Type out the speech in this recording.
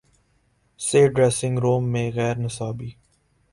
سے dressing room میں غیر نصابی